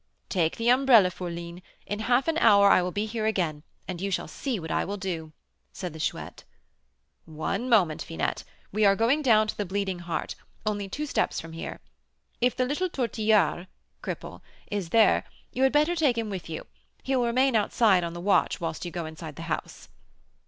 "Take the umbrella, fourline; in half an hour I will be here again, and you shall see what I will do," said the Chouette. "One moment, Finette; we are going down to the Bleeding Heart, only two steps from here. If the little Tortillard (cripple) is there, you had better take him with you; he will remain outside on the watch whilst you go inside the house."